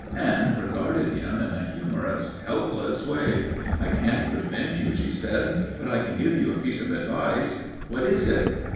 Anne regarded him in a humorous, helpless way. "I can't prevent you," she said, "but I can give you a piece of advice." "What is it?"